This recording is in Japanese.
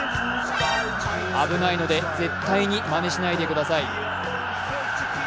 危ないので絶対にまねしないでください。